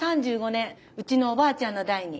うちのおばあちゃんの代に。